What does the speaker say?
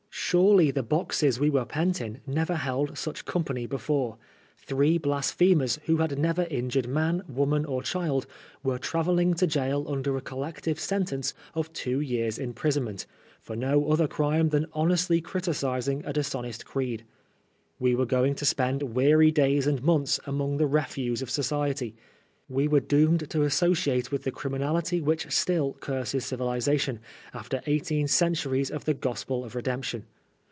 Surely the boxes we were pent in never held such company before^ Three "blasphemers,'* who had never injured man, wotnan or child, were travelling to gaol under a col lective sentence of two years' imprisonment, for na other crime than honestly criticising a dishonest creed. We were going to spend weary days and months among the refuse of society. We were doomed to associate with the criminality which still curses civilisation, after eighteen centuries of the gospel of redemption.